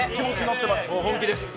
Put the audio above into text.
本気です。